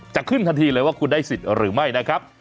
จะขึ้นทันทีเลยว่าคุณได้สิทธิ์หรือไม่นะครับ